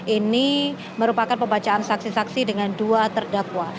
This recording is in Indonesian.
ini merupakan pembacaan saksi saksi dengan dua terdakwa